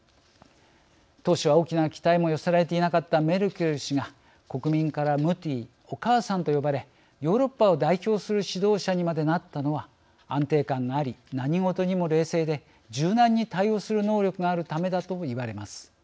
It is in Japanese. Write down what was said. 当初は大きな期待も寄せられていなかったメルケル氏が国民から「ムティー」と呼ばれヨーロッパを代表する指導者にまでなったのは安定感があり何事にも冷静で柔軟に対応する能力があるためだとも言われます。